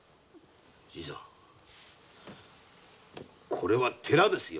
新さんこれは寺ですよ。